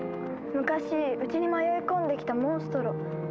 昔うちに迷い込んできたモンストロ。